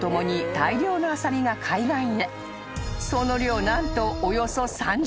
［その量何と］